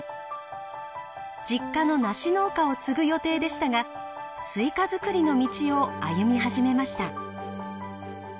実家の梨農家を継ぐ予定でしたがスイカ作りの道を歩み始めました。